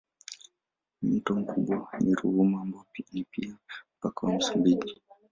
Mto mkubwa ni Ruvuma ambao ni pia mpaka wa Msumbiji.